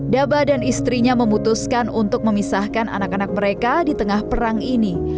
daba dan istrinya memutuskan untuk memisahkan anak anak mereka di tengah perang ini